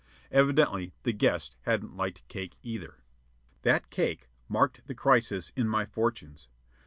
Evidently the guests hadn't liked cake either. That cake marked the crisis in my fortunes.